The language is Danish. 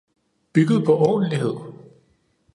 Bygget på ordentlighed.